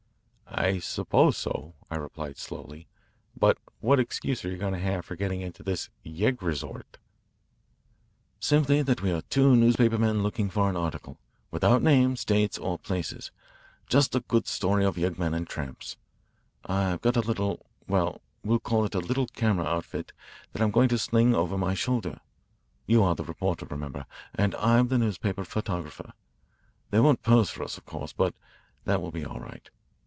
"I suppose so, I replied slowly. But what excuse are you going to have for getting into this yegg resort?" "Simply that we are two newspaper men looking for an article, without names, dates, or places just a good story of yeggmen and tramps. I've got a little well, we'll call it a little camera outfit that I'm going to sling over my shoulder. You are the reporter, remember, and I'm the newspaper photographer. They won't pose for us, of course, but that will be all right.